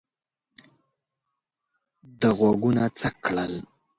ده غوږونه څک کړل.